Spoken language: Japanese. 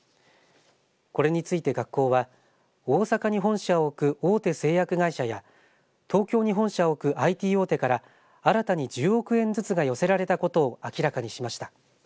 これについて学校は大阪に本社を置く大手製薬会社や東京に本社を置くＩＴ大手から新たに１０億円ずつが寄せられたことを明らかにしました。